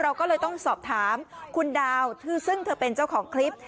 เราก็เลยต้องสอบถามคุณดาวซึ่งเธอเป็นเจ้าของคลิป